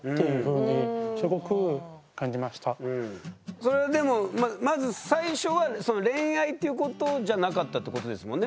それでもまず最初は恋愛っていうことじゃなかったってことですもんね？